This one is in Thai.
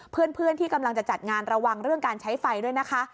เพื่อนที่กำลังจะจัดงานระวังเรื่องการใช้ไฟด้วยนะคะ